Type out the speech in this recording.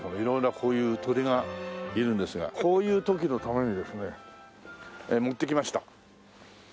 色々なこういう鳥がいるんですがこういう時のためにですね持ってきました。